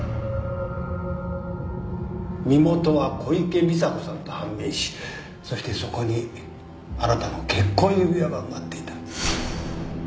身元は小池美砂子さんと判明しそしてそこにあなたの結婚指輪が埋まっていた。